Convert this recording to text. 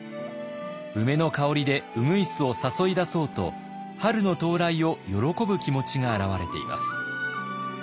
梅の香りで鶯を誘い出そうと春の到来を喜ぶ気持ちが表れています。